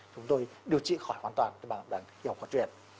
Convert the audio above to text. chúng tôi điều trị khỏi hoàn toàn cho bạn hiểu cổ truyền